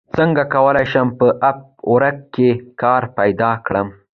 څنګه کولی شم په اپ ورک کې کار پیدا کړم